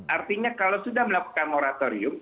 artinya kalau sudah melakukan moratorium